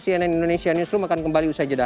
cnn indonesia newsroom akan kembali usai jeda